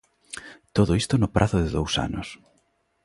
Todo isto no prazo de dous anos.